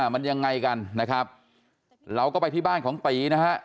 มันยังไงกันนะครับเราก็ไปที่บ้านของตีนะฮะ